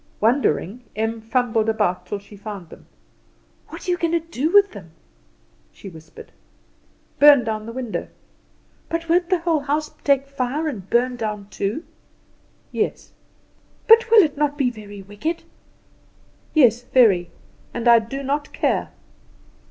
Wondering, Em fumbled about till she found them. "What are you going to do with them?" she whispered. "Burn down the window." "But won't the whole house take fire and burn down too?" "Yes." "But will it not be very wicked?" "Yes, very. And I do not care."